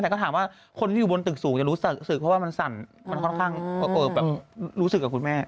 แต่ก็ถามว่าคนที่อยู่บนตึกสูงจะรู้สึกเพราะว่ามันสั่นมันค่อนข้างแบบรู้สึกกับคุณแม่